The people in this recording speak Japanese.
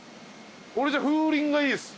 俺じゃあ風鈴がいいです。